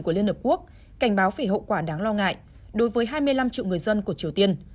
của liên hợp quốc cảnh báo về hậu quả đáng lo ngại đối với hai mươi năm triệu người dân của triều tiên